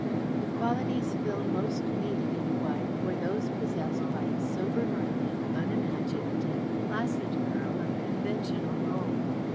The qualities Phil most needed in a wife were those possessed by a sober minded, unimaginative, placid girl of conventional mould.